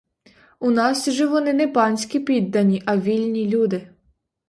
У нас же вони не панські піддані, а вільні люди.